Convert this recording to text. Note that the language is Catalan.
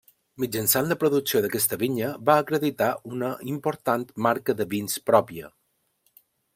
Mitjançant la producció d'aquesta vinya va acreditar una important marca de vins pròpia.